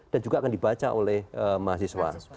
dan juga akan dibaca oleh mahasiswa